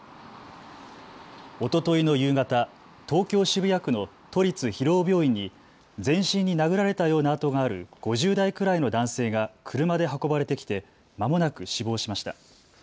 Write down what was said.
おとといの夕方、東京渋谷区の都立広尾病院に全身に殴られたような痕がある５０代くらいの男性が車で運ばれてきてまもなく死亡しました。